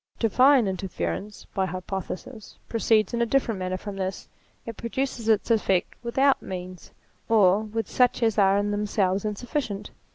Divine interference, by hypothesis, proceeds in a different manner from this : it produces its effect without means, or with such as are in themselves insufficient.